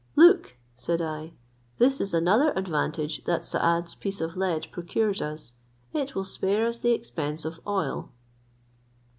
"Look," said I, "this is another advantage that Saad's piece of lead procures us: it will spare us the expense of oil."